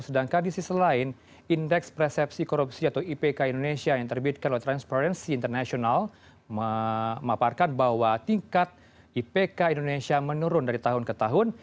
sedangkan di sisi lain indeks persepsi korupsi atau ipk indonesia yang terbitkan oleh transparency international memaparkan bahwa tingkat ipk indonesia menurun dari tahun ke tahun